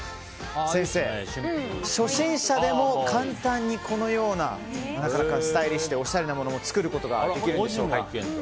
先生、初心者でも簡単にこのようなスタイリッシュでおしゃれなものも作ることができるんでしょうか。